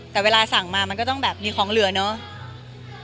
แต่เวลาสั่งมามันก็ต้องแบบมีของเหลือเนอะ